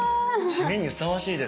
シメにふさわしいです。